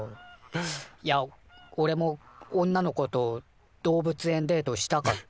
いやおれも女の子と動物園デートしたかったなって。